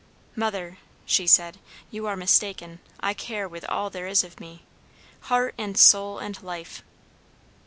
"Mother," she said, "you are mistaken. I care with all there is of me; heart and soul and life."